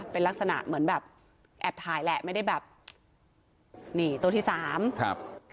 เป็นลักษณะเหมือนแบบแอบถ่ายแหละไม่ได้แบบนี่ตัวที่สามครับ